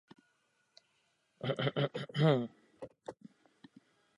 Shirley se narodila ve skotském Edinburghu jako druhá ze tří dcer.